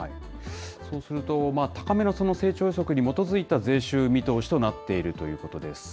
そうすると、高めの成長予測に基づいた税収見通しとなっているということですね。